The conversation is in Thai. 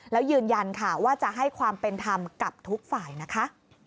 แล้วยืนยันค่ะว่าจะให้ความเป็นธรรมกับทุกฝ่ายนะคะ